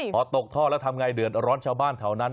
พอตกท่อแล้วทำไงเดือดร้อนชาวบ้านแถวนั้น